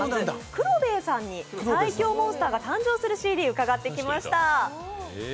くろべぇさんに最強モンスターが誕生するＣＤを伺ってきました。